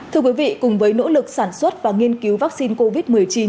thưa quý vị cùng với nỗ lực sản xuất và nghiên cứu vaccine covid một mươi chín